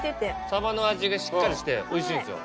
サバの味がしっかりしておいしいんですよ。